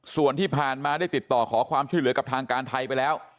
ส่วนที่ผ่านมาได้ติดต่อขอความช่วยเหลือกับทางการไทยไปแล้ว